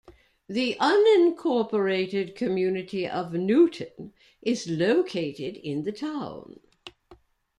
The unincorporated community of Newton is located in the town.